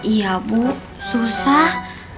iya bu susah